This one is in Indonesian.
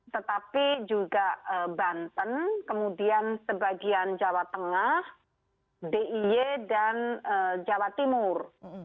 tetapi juga banten kemudian sebagian jawa tengah d i y dan jawa timur